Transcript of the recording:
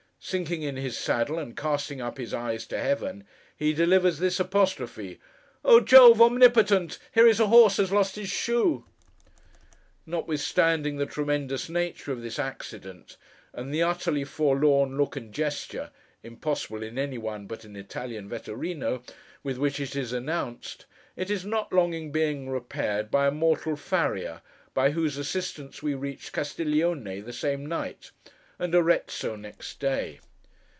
Sinking in his saddle, and casting up his eyes to Heaven, he delivers this apostrophe, 'Oh Jove Omnipotent! here is a horse has lost his shoe!' Notwithstanding the tremendous nature of this accident, and the utterly forlorn look and gesture (impossible in any one but an Italian Vetturíno) with which it is announced, it is not long in being repaired by a mortal Farrier, by whose assistance we reach Castiglione the same night, and Arezzo next day.